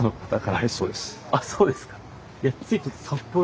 あっそうですか。